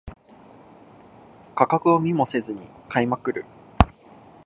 価格を見もせず買いまくる